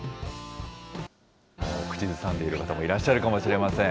口ずさんでいる方もいらっしゃるかもしれません。